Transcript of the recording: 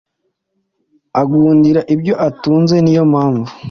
agundira ibyo atunze niyo mpamvu